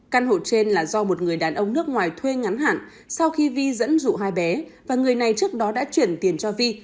căn hộ trên là do một người đàn ông nước ngoài thuê ngắn hạn sau khi vi dẫn dụ hai bé và người này trước đó đã chuyển tiền cho vi